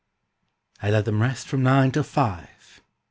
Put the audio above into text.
I let them rest from nine till five.